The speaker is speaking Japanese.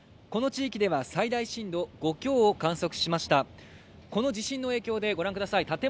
この地域では最大震度５強を観測しましたこの地震の影響でご覧ください